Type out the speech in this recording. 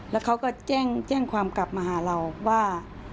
แล้วเขาก็แจ้งความกลับมาหาเราว่า